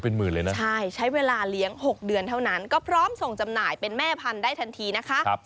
เป็นหมื่นเลยนะใช่ใช้เวลาเลี้ยง๖เดือนเท่านั้นก็พร้อมส่งจำหน่ายเป็นแม่พันธุ์ได้ทันทีนะคะ